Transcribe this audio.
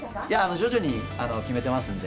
徐々に決めてますんで。